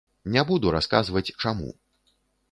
Не буду расказваць, чаму.